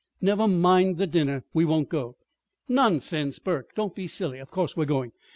Never mind the dinner. We won't go." "Nonsense, Burke! Don't be silly. Of course we're going!